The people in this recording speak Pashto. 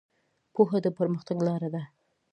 پوهه د پرمختګ لاره ده.